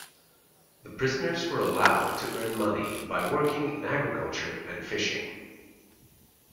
The prisoners were allowed to earn money by working in agriculture and fishing.